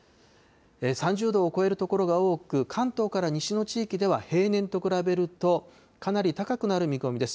３０度を超える所が多く、関東から西の地域では平年と比べると、かなり高くなる見込みです。